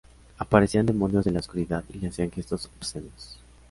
Aparecían demonios de la oscuridad y le hacían gestos obscenos.